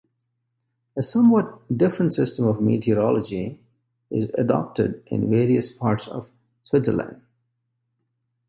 A somewhat different system of meteorology is adopted in various parts of Switzerland.